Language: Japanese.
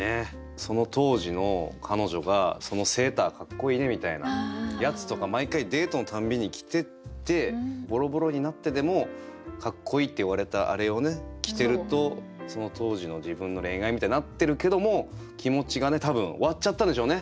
その当時の彼女が「そのセーターかっこいいね」みたいなやつとか毎回デートの度に着ててぼろぼろになってでも「かっこいい」って言われたあれをね着てるとその当時の自分の恋愛みたいになってるけども気持ちがね多分終わっちゃったんでしょうね。